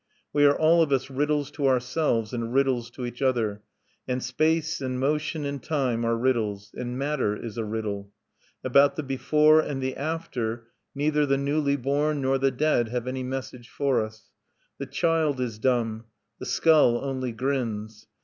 We are all of us riddles to ourselves and riddles to each other; and space and motion and time are riddles; and matter is a riddle. About the before and the after neither the newly born nor the dead have any message for us. The child is dumb; the skull only grins.